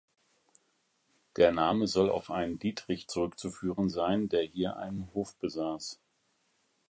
Der Name soll auf einen Dietrich zurückzuführen sein, der hier einen Hof besaß.